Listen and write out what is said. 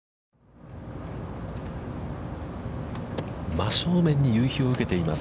真正面に夕日を受けています。